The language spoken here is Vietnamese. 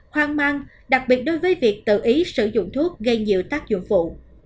hoang mang đặc biệt đối với việc tự ý sử dụng thuốc gây nhiều tác dụng phụ